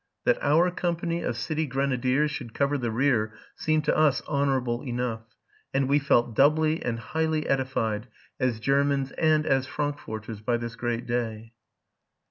That our company of city grenadiers should cover the rear seemed to us honorable enough, and we felt doubly and highly edified as Germans and as Frankforters by this great day.